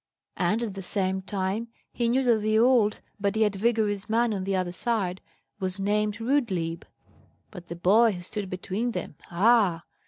And at the same time, he knew that the old but yet vigorous man on the other side was named Rudlieb. But the boy who stood between them ah!